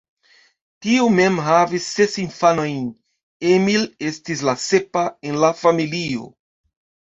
Tiu mem havis ses infanojn, Emil estis la sepa en la familio.